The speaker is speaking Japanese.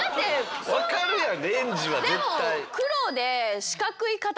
分かるやんレンジは絶対。